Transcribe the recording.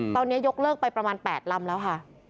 ตอนนี้ยกเลิกไปประมาณ๘ลำแล้วค่ะ